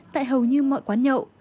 tại hầu như mọi quán nhậu